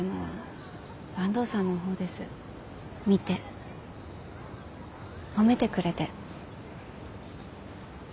見て褒めてくれて。